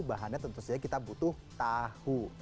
bahannya tentu saja kita butuh tahu